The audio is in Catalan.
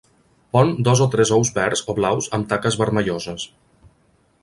Pon dos o tres ous verds o blaus amb taques vermelloses.